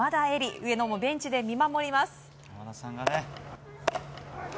上野もベンチで見守ります。